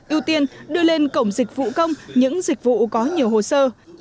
ưu tiên đưa lên cổng dịch vụ công những dịch vụ có nhiều hồ sơ